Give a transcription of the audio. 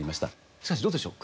しかしどうでしょう。